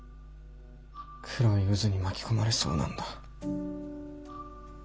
黒い渦に巻き込まれそうなんだ。